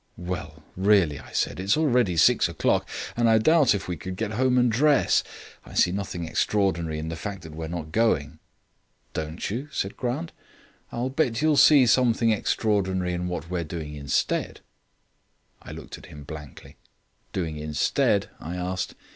"Well, really," I said, "it is already six o'clock and I doubt if we could get home and dress. I see nothing extraordinary in the fact that we are not going." "Don't you?" said Grant. "I'll bet you'll see something extraordinary in what we're doing instead." I looked at him blankly. "Doing instead?" I asked.